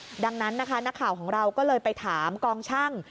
ดังนั้นนะคะนักข่าวของเราก็เลยไปถามกองช่าง